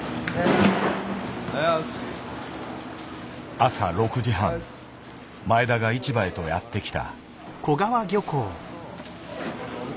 朝６時半前田が市場へとやって来た。